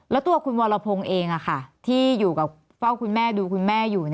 แล้วตัวคุณวรพงศ์เองที่อยู่กับเฝ้าคุณแม่ดูคุณแม่อยู่